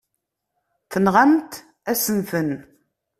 Tenɣamt-asen-ten.